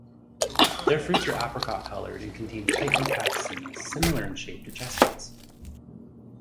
Their fruits are apricot-coloured and contain tightly packed seeds, similar in shape to chestnuts.